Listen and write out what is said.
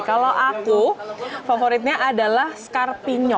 kalau aku favoritnya adalah scarpino